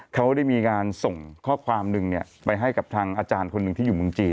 เขาได้มีการส่งข้อความหนึ่งไปให้กับทางอาจารย์คนหนึ่งที่อยู่เมืองจีน